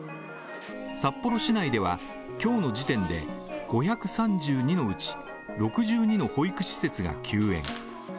札幌市内では今日の時点で５３２のうち、６２の保育施設が休園。